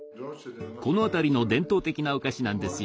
この辺りの伝統的なお菓子なんですよ。